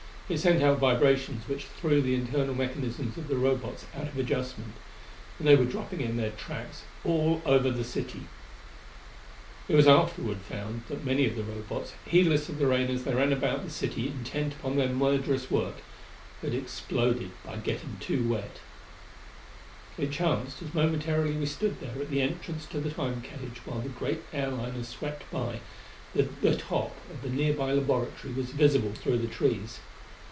It sent out vibrations which threw the internal mechanisms of the Robots out of adjustment, and they were dropping in their tracks all over the city. [Footnote 6: It was afterward found that many of the Robots, heedless of the rain as they ran about the city intent upon their murderous work, had exploded by getting too wet.] It chanced, as momentarily we stood there at the entrance to the Time cage while the great airliner swept by, that the top of the nearby laboratory was visible through the trees.